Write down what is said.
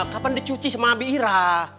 kapan dicuci sama abi ira